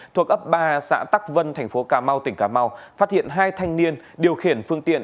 thuộc ấp ba xã tắc vân thành phố cà mau tỉnh cà mau phát hiện hai thanh niên điều khiển phương tiện